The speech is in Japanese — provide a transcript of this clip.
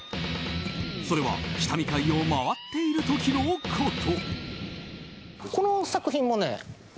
それは、下見会を回っている時のこと。